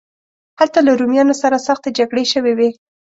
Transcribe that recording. هلته له رومیانو سره سختې جګړې شوې وې.